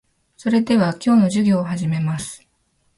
それでは、今日の授業を始めます。